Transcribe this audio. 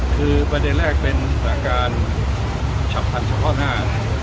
คือประเด็นแรกเป็นประการฉับพันธ์เฉพาะหน้า